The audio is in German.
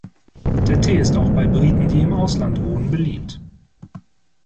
Der Tee ist auch bei Briten, die im Ausland wohnen, beliebt.